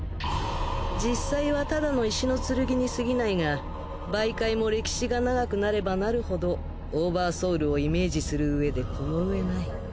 実際はただの石の剣にすぎないが媒介も歴史が長くなればなるほどオーバーソウルをイメージするうえでこのうえない。